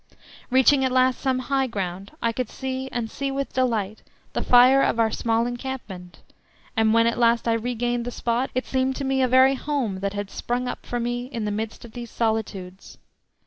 Reaching at last some high ground I could see, and see with delight, the fire of our small encampment, and when at last I regained the spot it seemed to me a very home that had sprung up for me in the midst of these solitudes.